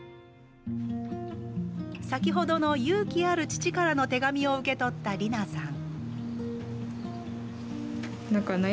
先ほどの「勇気ある父」からの手紙を受け取ったリナさん。